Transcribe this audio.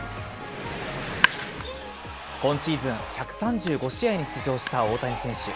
今シーズン１３５試合に出場した大谷選手。